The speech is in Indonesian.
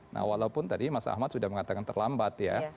nah walaupun tadi mas ahmad sudah mengatakan terlambat ya